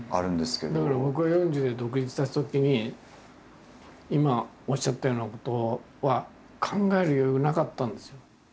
だけど僕が４０で独立したときに今おっしゃったようなことは考える余裕がなかったんですよ。